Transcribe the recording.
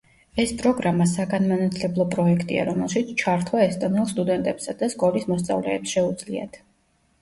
ეს პროგრამა საგანმანათლებლო პროექტია, რომელშიც ჩართვა ესტონელ სტუდენტებსა და სკოლის მოსწავლეებს შეუძლიათ.